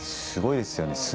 すごいですね。